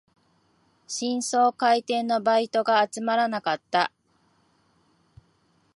新装開店のバイトが集まらなかった